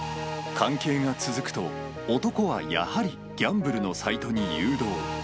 関係が続くと、男はやはりギャンブルのサイトに誘導。